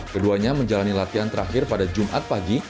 keduanya menjalani latihan terakhir pada jumat pagi